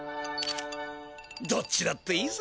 どっちだっていいさ。